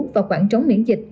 và khoảng trống miễn dịch